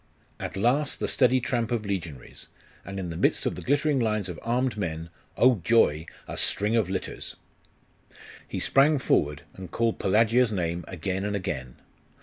At last the steady tramp of legionaries, and in the midst of the glittering lines of armed men oh, joy! a string of litters! He sprang forward, and called Pelagia's name again and again.